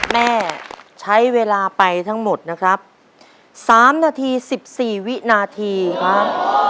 แม่ใช้เวลาไปทั้งหมดนะครับ๓นาที๑๔วินาทีครับ